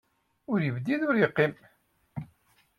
Ur yebdid, ur yeqqim.